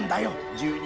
１２